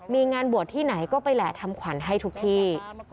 มีงานบวชที่ไหนก็ไปแหละทำขวัญให้ทุกที่